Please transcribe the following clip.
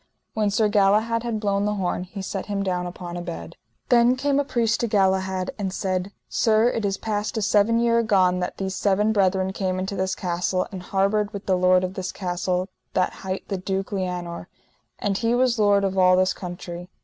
When Sir Galahad had blown the horn he set him down upon a bed. Then came a priest to Galahad, and said: Sir, it is past a seven year agone that these seven brethren came into this castle, and harboured with the lord of this castle that hight the Duke Lianour, and he was lord of all this country.